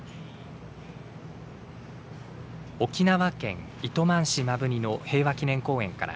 沖縄県糸満市摩文仁の平和祈念公園から